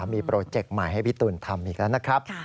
มีโปรเจคใหม่ให้พี่ตูนทำอีกแล้วนะครับ